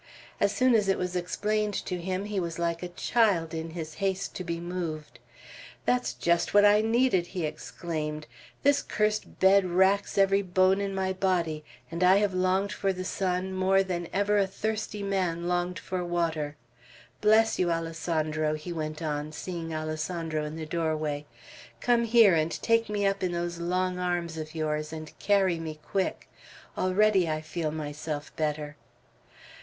As soon as it was explained to him, he was like a child in his haste to be moved. "That's just what I needed!" he exclaimed. "This cursed bed racks every bone in my body, and I have longed for the sun more than ever a thirsty man longed for water. Bless you, Alessandro," he went on, seeing Alessandro in the doorway. "Come here, and take me up in those long arms of yours, and carry me quick. Already I feel myself better."